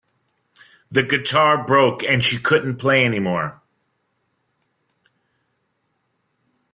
The guitar broke and she couldn't play anymore.